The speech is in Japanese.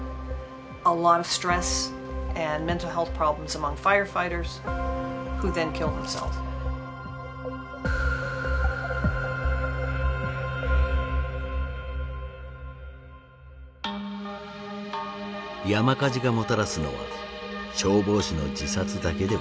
山火事がもたらすのは消防士の自殺だけではない。